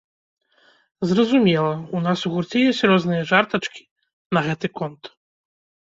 Зразумела, у нас у гурце ёсць розныя жартачкі на гэты конт.